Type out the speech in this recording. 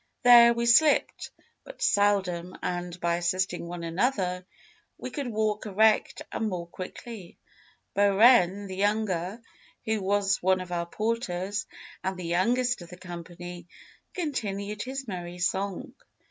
There we slipped but seldom, and by assisting one another, we could walk erect and more quickly. Bohren the younger, who was one of our porters and the youngest of the company, continued his merry song.